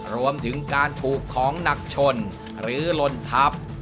รวมถึงการปลูกของหนักชนหรือลนทับ